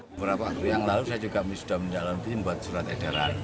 beberapa hari yang lalu saya juga sudah menjalani membuat surat edaran